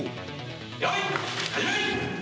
よーい、始め。